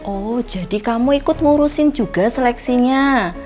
oh jadi kamu ikut ngurusin juga seleksinya